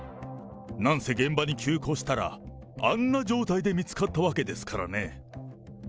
なんせ現場に急行したら、あんな状態で見つかったわけですからね。